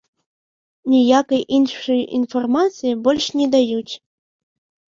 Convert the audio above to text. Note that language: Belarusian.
Ніякай іншай інфармацыі больш не даюць.